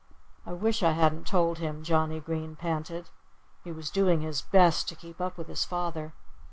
"I wish I hadn't told him," Johnnie Green panted. He was doing his best to keep up with his father.